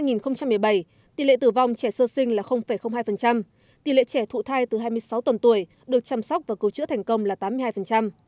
năm hai nghìn một mươi bảy tỷ lệ tử vong trẻ sơ sinh là hai tỷ lệ trẻ thụ thai từ hai mươi sáu tuần tuổi được chăm sóc và cứu chữa thành công là tám mươi hai